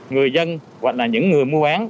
người dân hoặc là những người mua bán